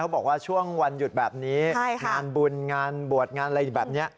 บอกว่าช่วงวันหยุดแบบนี้งานบุญงานบวชงานอะไรแบบนี้